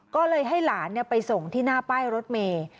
ก็เลยให้หลานไปส่งที่หน้าป้ายรถเมย์